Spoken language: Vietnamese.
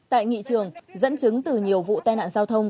tại nghị trường dẫn chứng từ nhiều vụ tai nạn giao thông